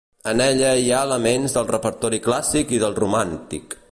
En ella hi ha elements del repertori clàssic i del romàntic.